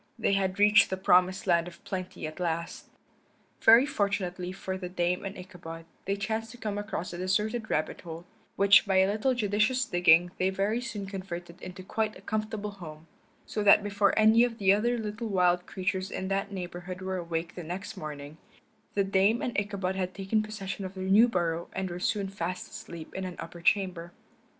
They had reached the promised land of plenty at last. Very fortunately for the Dame and Ichabod they chanced to come across a deserted rabbit hole, which by a little judicious digging they very soon converted into quite a comfortable home; so that before any of the other little wild creatures in that neighborhood were awake the next morning the Dame and Ichabod had taken possession of their new burrow and were soon fast asleep in an upper chamber.